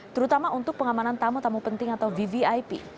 terutama untuk pengamanan tamu tamu penting atau vvip